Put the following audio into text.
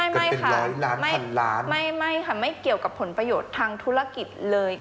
ก็เป็นร้อยนานพันล้านไม่ค่ะไม่เกี่ยวกับผลประโยชน์ทางธุรกิจเลย